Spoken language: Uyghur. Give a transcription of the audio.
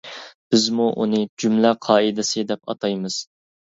بىزمۇ ئۇنى «جۈملە قائىدىسى» دەپ ئاتايمىز.